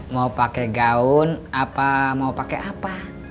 mau pakai gaun apa mau pakai apa